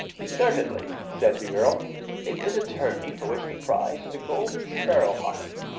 "Certainly," said the Earl." It is a tourney for which the prize is a golden sparrow hawk.